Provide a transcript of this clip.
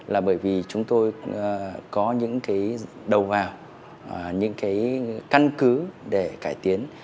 là bởi vì chúng tôi có những đầu vào những căn cứ để cải tiến